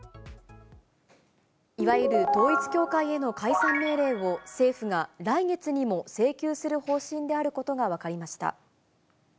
いわゆる統一教会への解散命令を、政府が来月にも請求する方針であることが分かりました。